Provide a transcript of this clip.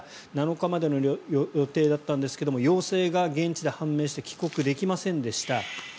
７日までの予定だったんですが陽性が現地で判明して帰国できませんでした。